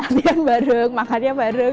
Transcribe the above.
latihannya bareng makan ya bareng